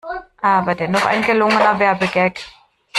Aber dennoch ein gelungener Werbegag.